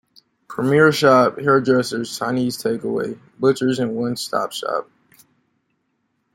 Premier Shop, Hair Dressers, Chinese Take away, Butchers and One Stop Shop.